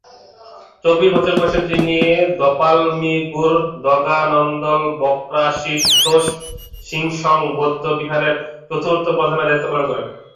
চব্বিশ বছর বয়সে তিনি দ্পাল-মি-'গ্যুর-দ্গা'-ল্দান-ব্ক্রা-শিস-ছোস-স্দিংস বৌদ্ধবিহারের চতুর্থ প্রধানের দায়িত্ব লাভ করেন।